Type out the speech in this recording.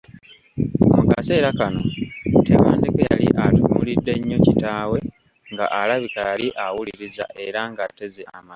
Mu kaseera kano, Tebandeke yali atunuulidde nnyo kitaawe nga alabika yali awuliriza era ng’ateze amatu.